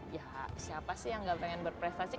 ya siapa sih yang gak pengen berprestasi